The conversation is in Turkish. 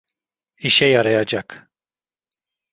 İşe yarayacak.